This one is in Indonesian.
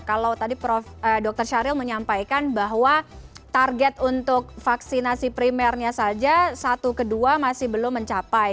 kalau tadi prof dr syahril menyampaikan bahwa target untuk vaksinasi primernya saja satu ke dua masih belum mencapai